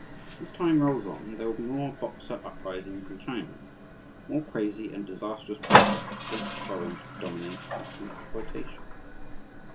As time rolls on, there will be more "Boxer" uprisings in China, more crazy and disastrous protests against foreign domination and exploitation.